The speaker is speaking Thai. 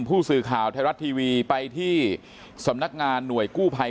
ผู้สื่อข่าวไทยรัฐทีวีไปที่สำนักงานหน่วยกู้ภัย